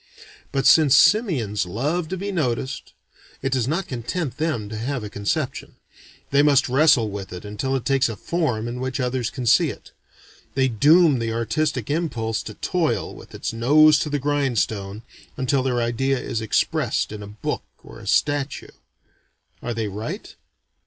But since simians love to be noticed, it does not content them to have a conception; they must wrestle with it until it takes a form in which others can see it. They doom the artistic impulse to toil with its nose to the grindstone, until their idea is expressed in a book or a statue. Are they right?